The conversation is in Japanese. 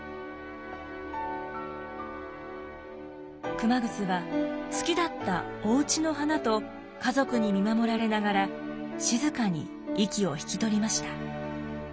熊楠は好きだったオウチの花と家族に見守られながら静かに息を引き取りました。